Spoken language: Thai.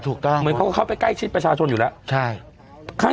ถูกต้องเหมือนเขาเข้าไปใกล้ชิดประชาชนอยู่แล้วใช่ครั้ง